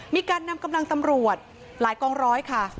มีการนำกำลังตำรวจหลายกองร้อยค่ะ